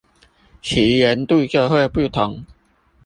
其鹽度就會不同